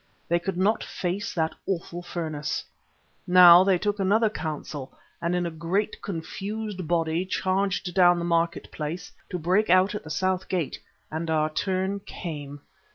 They could not face that awful furnace. Now they took another counsel and in a great confused body charged down the market place to break out at the south gate, and our turn came.